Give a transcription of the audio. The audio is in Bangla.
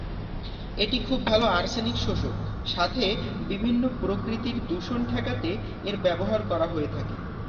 এটি খুব ভালো আর্সেনিক শোষক সাথে বিভিন্ন প্রকৃতির দূষণ ঠেকাতে এর ব্যবহার করা হয়ে থাকে।